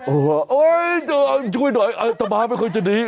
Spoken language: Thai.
เออโอ๊ยช่วยหน่อยอาจารย์ไม่เคยจะดี